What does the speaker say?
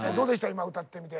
今歌ってみて。